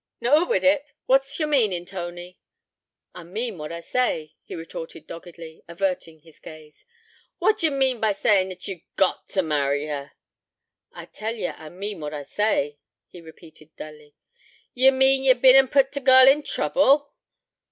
'Noo oot wi 't. What's yer meanin', Tony?' 'I mean what I say,' he retorted doggedly, averting his gaze. 'What d'ye mean by sayin' that ye've got t' marry her?' 'I tell yer I mean what I say,' he repeated dully. 'Ye mean ye've bin an' put t' girl in trouble?'